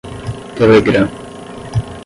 Telegram